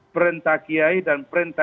perintah kiai dan perintah